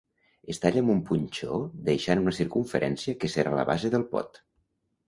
Es talla amb un punxó deixant una circumferència que serà la base del pot.